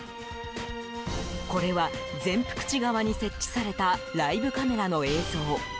これは、善福寺川に設置されたライブカメラの映像。